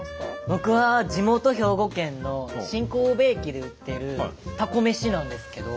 僕は地元兵庫県の新神戸駅で売ってるたこ飯なんですけど。